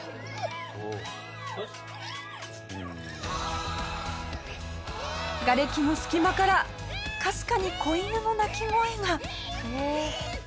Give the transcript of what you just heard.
下平：がれきの隙間からかすかに子犬の鳴き声が。